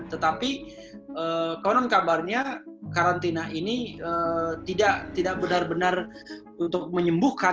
tetapi konon kabarnya karantina ini tidak benar benar untuk menyembuhkan